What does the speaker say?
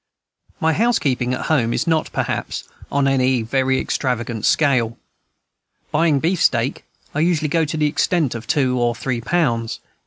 My housekeeping at home is not, perhaps, on any very extravagant scale. Buying beefsteak, I usually go to the extent of two or three pounds.